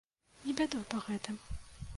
Не бядуй па гэтым!